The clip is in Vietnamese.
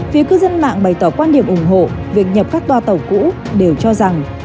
phía cư dân mạng bày tỏ quan điểm ủng hộ việc nhập các toa tàu cũ đều cho rằng